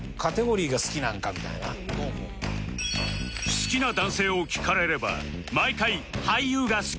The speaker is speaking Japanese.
好きな男性を聞かれれば毎回「俳優が好き」